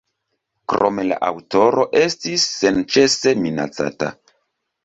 Krome la aŭtoro estis senĉese minacata.